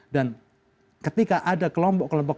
dan ketika ada kelompok kelompok